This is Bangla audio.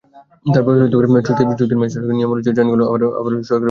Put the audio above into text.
চুক্তির মেয়াদ শেষ হওয়ায় নিয়ম অনুযায়ী ট্রেনগুলো আবার সরকারি আওতাধীনেই পরিচালিত হবে।